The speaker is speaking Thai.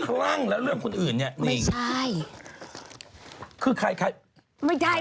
ฉันเป็นคนไม่รู้เรื่องไรในวงการกระเทิงเลย